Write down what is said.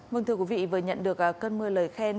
vâng thưa quý vị vừa nhận được cơn mưa lời khen